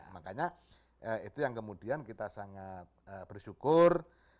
makanya itu yang kemudian kita sangat bersyukur